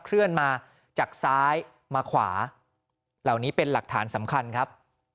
เคลื่อนมาจากซ้ายมาขวาเหล่านี้เป็นหลักฐานสำคัญครับ